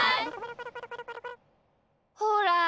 ほら